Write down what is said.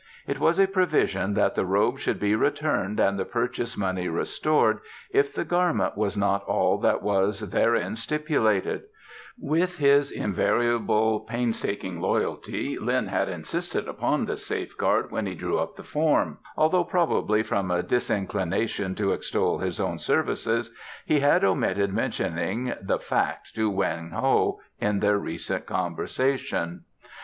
It was a provision that the robe should be returned and the purchase money restored if the garment was not all that was therein stipulated: with his invariable painstaking loyalty Lin had insisted upon this safeguard when he drew up the form, although, probably from a disinclination to extol his own services, he had omitted mentioning the fact to Wang Ho in their recent conversation.